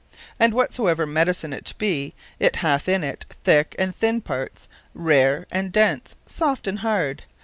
And whatsoever Medicine it be, it hath in it, thick, and thinne parts; rare, and dense; soft, and hard.